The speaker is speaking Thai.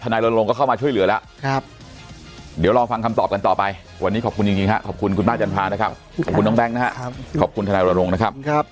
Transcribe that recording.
นายรณรงค์ก็เข้ามาช่วยเหลือแล้วเดี๋ยวรอฟังคำตอบกันต่อไปวันนี้ขอบคุณจริงครับขอบคุณคุณป้าจันทรานะครับขอบคุณน้องแก๊งนะครับขอบคุณทนายรณรงค์นะครับ